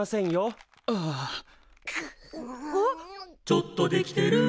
「ちょっとできてる」